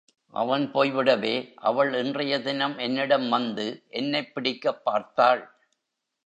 அவன் போய்விடவே, அவள் இன்றைய தினம் என்னிடம் வந்து என்னைப் பிடிக்கப் பார்த்தாள்.